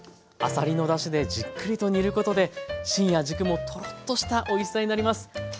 あさりのだしでじっくりと煮ることで芯や軸もトロッとしたおいしさになります。